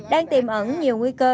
đang tìm ẩn nhiều nguy cơ